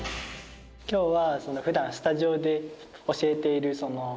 今日は。